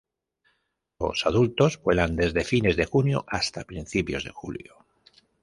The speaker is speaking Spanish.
Los adultos vuelan desde fines de junio hasta principios de julio.